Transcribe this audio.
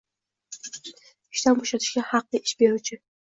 ishdan bo‘shatishga haqli ish beruvchi.